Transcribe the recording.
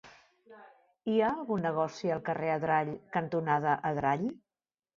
Hi ha algun negoci al carrer Adrall cantonada Adrall?